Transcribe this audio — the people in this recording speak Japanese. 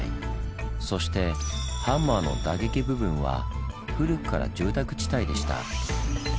そしてハンマーの打撃部分は古くから住宅地帯でした。